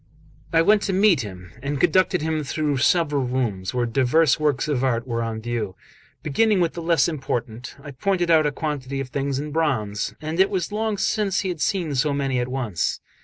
I went to meet him, and conducted him through several rooms where divers works of art were on view. Beginning with the less important, I pointed out a quantity of things in bronze; and it was long since he had seen so many at once.